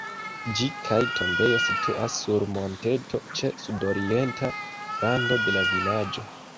Ĝi kaj tombejo situas sur monteto ĉe sudorienta rando de la vilaĝo.